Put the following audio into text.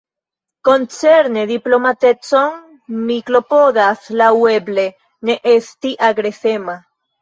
Koncerne diplomatecon, mi klopodas, laŭeble, ne esti agresema.